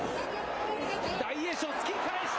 大栄翔、突き返した。